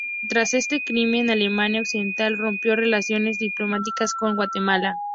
Tras este crimen, Alemania Occidental rompió relaciones diplomáticas con Guatemala.